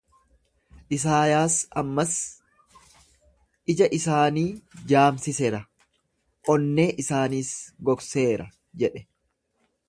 Isaayaas ammas, Ija isaanii jaamsisera, onnee isaaniis gogseera jedhe.